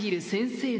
先生！